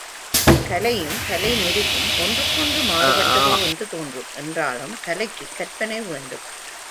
கலையும் கலை மெருகும் ஒன்றுக்கொன்று மாறுபட்டதோ என்று தோன்றும், என்றாலும் கலைக்குக் கற்பனை வேண்டும்.